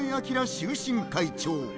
終身会長。